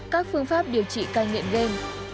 các phương pháp điều trị cai nghiện game